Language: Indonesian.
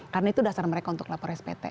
karena itu dasar mereka untuk lapor spt